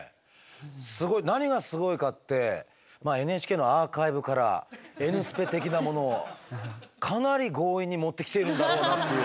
すごい何がすごいかってＮＨＫのアーカイブから「Ｎスペ」的なものをかなり強引に持ってきているんだろうなっていう。